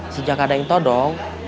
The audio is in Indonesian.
sejak ada yang todong